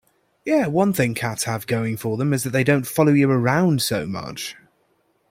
Yeah, one thing cats have going for them is that they don't follow you around so much.